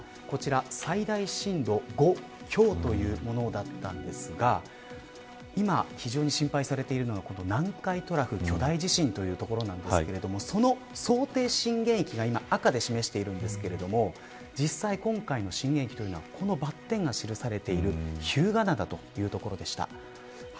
こちら、最大震度５強というものだったんですが今、非常に心配されているのが南海トラフ巨大地震というところなんですけれどもその想定震源域が今、赤で示しているんですか実際、今回の震源域というのはこのバッテンが記されている日向灘という所でした。